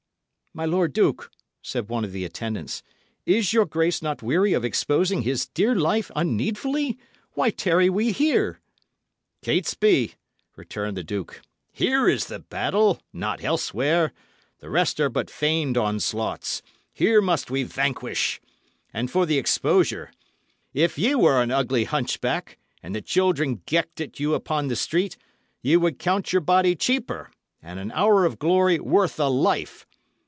"My lord duke," said one of his attendants, "is your grace not weary of exposing his dear life unneedfully? Why tarry we here?" "Catesby," returned the duke, "here is the battle, not elsewhere. The rest are but feigned onslaughts. Here must we vanquish. And for the exposure if ye were an ugly hunchback, and the children gecked at you upon the street, ye would count your body cheaper, and an hour of glory worth a life.